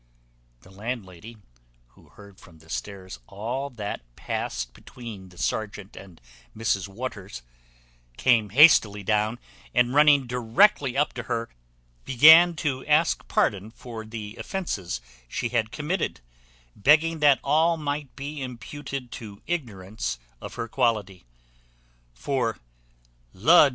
The landlady, who heard from the stairs all that past between the serjeant and Mrs Waters, came hastily down, and running directly up to her, began to ask pardon for the offences she had committed, begging that all might be imputed to ignorance of her quality: for, "Lud!